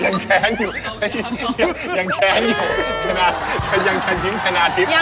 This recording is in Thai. ยังฉันทิ้งชนะทฤบ